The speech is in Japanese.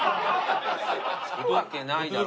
つくわけないだろ。